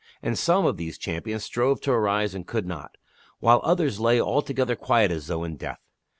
And some of these champions strove to arise and could not, while others lay alto gether quiet as though in death.